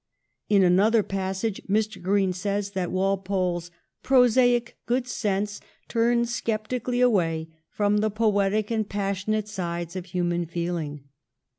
In another passage Mr. Green says that Walpole's ' prosaic good sense turned sceptically away from the poetic and pas sionate sides of human feeling.'